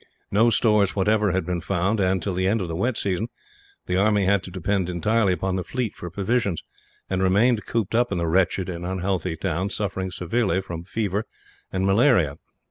No stores whatever had been found and, till the end of the wet season, the army had to depend entirely upon the fleet for provisions; and remained cooped up in the wretched and unhealthy town, suffering severely from fever and malaria.